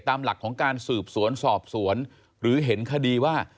ตามหลักของการสืบสวนสอบสวนหรือเห็นคดีว่า